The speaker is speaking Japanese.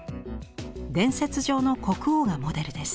伝説上の国王がモデルです。